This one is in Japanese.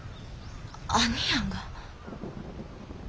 兄やんが？